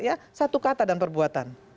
ya satu kata dan perbuatan